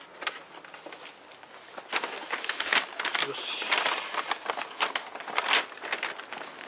よし。